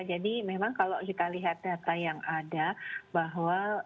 jadi memang kalau kita lihat data yang ada bahwa